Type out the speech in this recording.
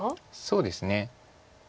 そうですね。